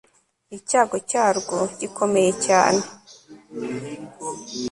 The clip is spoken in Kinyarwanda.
icyago cyarwo gikomeye cyane